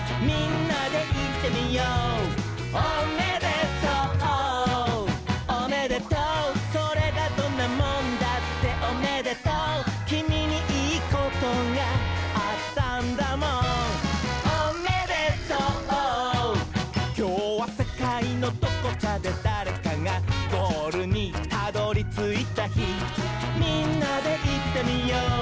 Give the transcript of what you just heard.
「みんなでいってみよう」